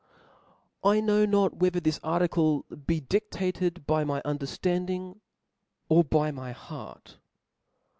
I know not whether this article be diftated by tny underftanding, or by my heart.